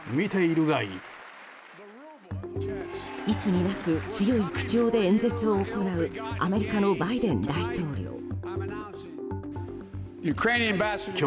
いつになく強い口調で演説を行うアメリカのバイデン大統領。